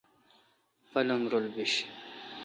پلنگ رل بیش۔